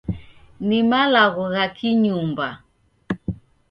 Ni malagho gha ki-nyumba.